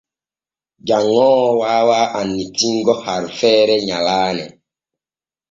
Janŋoowo waawa annitingo harfeere nyalaane.